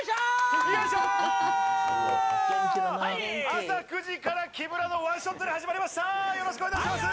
朝９時から木村のワンショットで始まりました、よろしくお願いします！